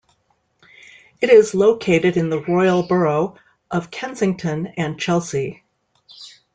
It is located in the Royal Borough of Kensington and Chelsea.